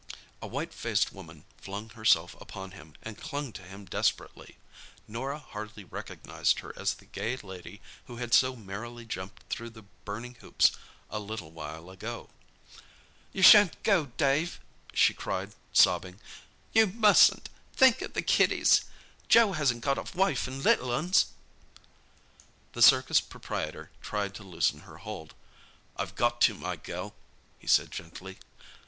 A white faced woman flung herself upon him and clung to him desperately. Norah hardly recognised her as the gay lady who had so merrily jumped through the burning hoops a little while ago. "You shan't go, Dave!" she cried, sobbing. "You mustn't! Think of the kiddies! Joe hasn't got a wife and little uns." The circus proprietor tried to loosen her hold. "I've got to, my girl," he said gently.